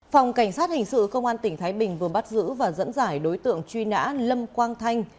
phòng cảnh sát hình sự công an tỉnh thái bình vừa bắt giữ và dẫn giải đối tượng truy nã lâm quang thanh